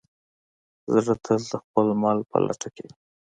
زړه تل د خپل مل په لټه کې وي.